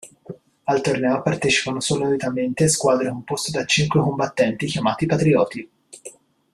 Al torneo partecipano solitamente squadre composte da cinque combattenti chiamati Patrioti.